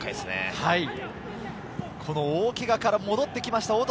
大けがから戻ってきました。